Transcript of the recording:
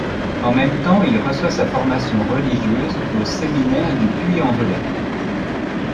En même temps il reçoit sa formation religieuse au séminaire du Puy-en-Velay.